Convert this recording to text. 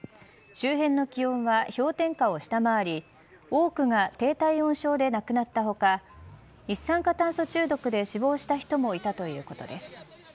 周辺の気温は氷点下を下回り多くが低体温症で亡くなった他一酸化炭素中毒で死亡した人もいたということです。